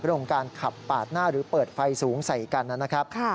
เรื่องของการขับปาดหน้าหรือเปิดไฟสูงใส่กันนะครับ